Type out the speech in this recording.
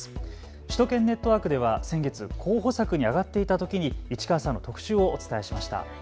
首都圏ネットワークでは先月、候補作に挙がっていたときに市川さんの特集をお伝えしました。